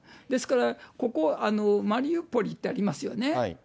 ですから、ここ、マリウポリってありますよね。